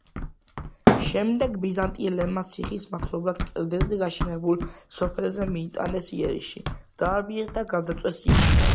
შემდეგ ბიზანტიელებმა ციხის მახლობლად კლდეზე გაშენებულ სოფელზე მიიტანეს იერიში, დაარბიეს და გადაწვეს იგი.